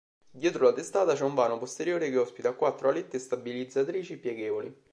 Dietro la testata c'è un vano posteriore che ospita quattro alette stabilizzatrici pieghevoli.